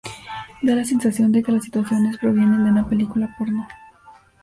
Da la sensación de que las situaciones provienen de una película porno".